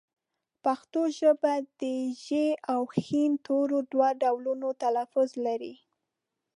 پښتو ژبه د ږ او ښ تورو دوه ډولونه تلفظ لري